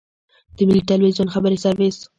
د ملي ټلویزیون خبري سرویس.